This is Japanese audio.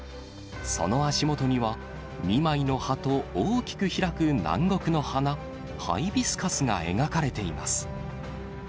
その足元には、２枚の葉と大きく開く南国の花、ハイビスカスが描かれています。